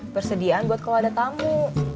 persediaan buat kalau ada tamu